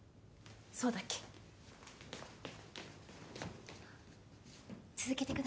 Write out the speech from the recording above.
そうだっけ？